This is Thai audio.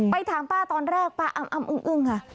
ถามป้าตอนแรกป้าอ้ำอึ้งค่ะ